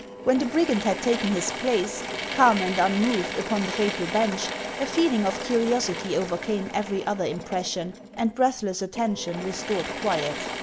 When the brigand had taken his place, calm and unmoved, upon the fatal bench, a feeling of curiosity overcame every other impression, and breathless attention restored quiet.